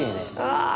わあ